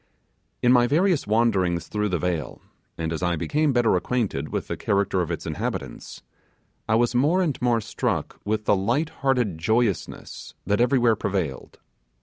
In my various wanderings through the vale, and as I became better acquainted with the character of its inhabitants, I was more and more struck with the light hearted joyousness that everywhere prevailed.